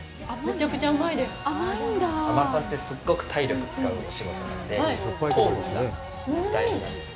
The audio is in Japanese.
海女さんって、すっごく体力を使うお仕事なんで、糖分が大事なんです。